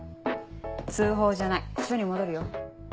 通報じゃない署に戻るよ。